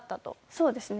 そうですね。